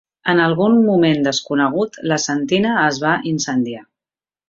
En algun moment desconegut, la sentina es va incendiar.